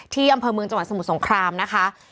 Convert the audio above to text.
ที่อำเภอเมืองจังหวัดสมุทรสงครามนะคะ